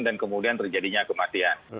dan kemudian terjadinya kematian